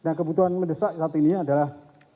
nah kebutuhan mendesak saat ini adalah